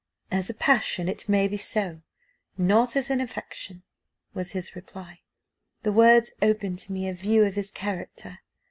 "'As a passion, it may be so, not as an affection,' was his reply. "The words opened to me a view of his character.